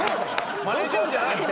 マネジャーじゃなくて？